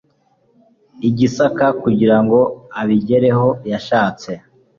i gisaka kugira ngo abigereho yashatse